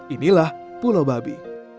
inilah pulau babi